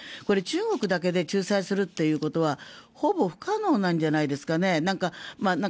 これ、中国だけで仲裁するということはほぼ不可能なんじゃないですかね。